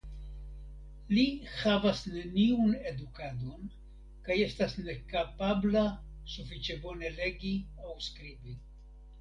Li havas neniun edukadon kaj estas nekapabla sufiĉe bone legi aŭ skribi.